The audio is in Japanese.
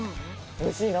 おいしいな。